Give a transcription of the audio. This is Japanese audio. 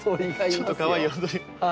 ちょっとかわいい。